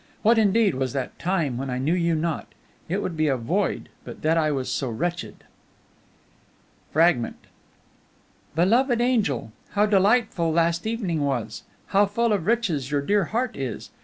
What indeed was that time when I knew you not? It would be a void but that I was so wretched." FRAGMENT. "Beloved angel, how delightful last evening was! How full of riches your dear heart is!